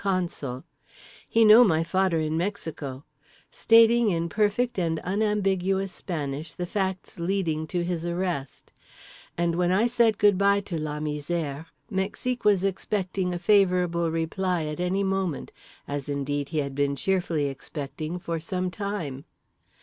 consul—"He know my fader in Mexico"—stating in perfect and unambiguous Spanish the facts leading to his arrest; and when I said good bye to La Misère Mexique was expecting a favorable reply at any moment, as indeed he had been cheerfully expecting for some time.